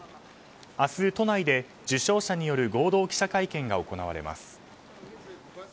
明日、都内で受賞者による合同記者会見が行われます。